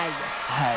はい。